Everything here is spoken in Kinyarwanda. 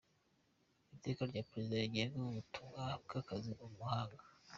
Iteka rya Perezida rigenga ubutumwa bw’akazi mu mahanga;.